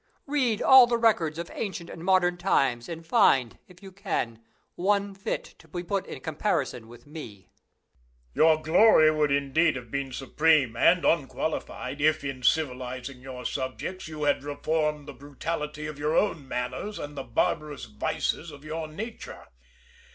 Read all the records of ancient and modern times, and find, if you can, one fit to be put in comparison with me! Louis. Your glory would indeed have been supreme and unequalled if, in civilising your subjects, you had reformed the brutality of your own manners and the barbarous vices of your nature.